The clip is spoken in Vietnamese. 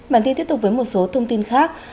bản tin tiếp tục với một số thông tin khác